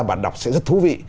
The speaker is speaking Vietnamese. bản đọc sẽ rất thú vị